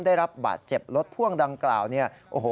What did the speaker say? ได้รับบาดเจ็บรถผ่วงดังกล่าวนี่